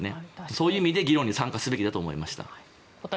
そういう意味で議論に参加すべきだと思いました。